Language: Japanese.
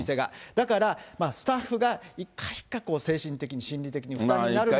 だから、スタッフが一回一回精神的に、心理的に負担になるわけで。